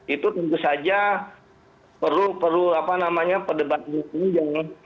itu tentu saja perlu perlu apa namanya perdebatan